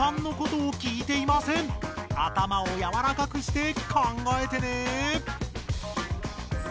あたまをやわらかくして考えてね！